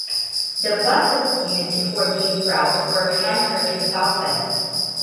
The buses used for these routes were transferred to Southend.